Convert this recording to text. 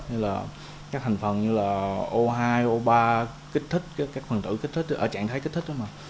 như là các thành phần như là o hai o ba kích thích các phần tử kích thích ở trạng thái kích thích đó mà